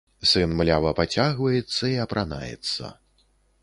Сын млява пацягваецца і апранаецца.